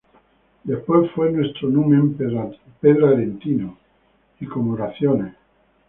después fué nuestro numen Pedro Aretino, y como oraciones